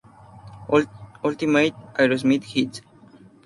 Ultimate Aerosmith Hits.